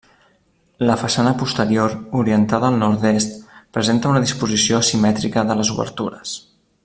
La façana posterior, orientada al nord-est, presenta una disposició asimètrica de les obertures.